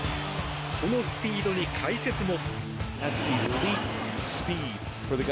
このスピードに解説も。